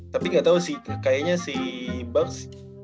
tapi ga tau sih kayaknya si bucks